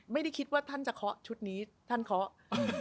ไม่ได้คิดว่าท่านจะเคาะชุดนี้ท่านเคาะ